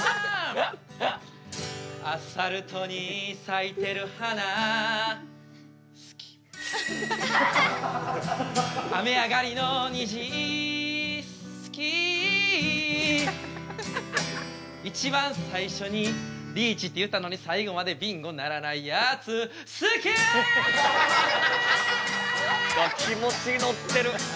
アスファルトに咲いてる花好き雨上がりのにじ好き一番最初にリーチって言ったのに最後までビンゴにならないやつ好きうわ気持ち乗ってる！